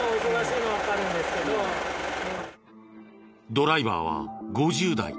ドライバーは５０代。